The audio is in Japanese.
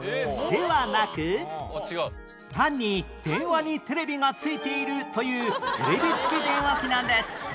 ではなく単に電話にテレビが付いているというテレビ付き電話機なんです